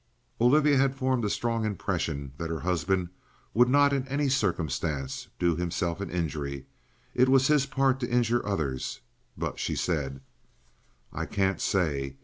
Olivia had formed a strong impression that her husband would not in any circumstance do himself an injury; it was his part to injure others. But she said: "I can't say.